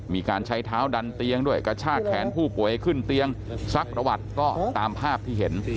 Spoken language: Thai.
มีการใช้เท้าดันเตียงด้วยกระชากแขนผู้ป่วยขึ้นเตียงซักประวัติก็ตามภาพที่เห็น